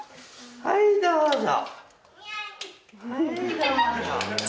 はいどうぞ。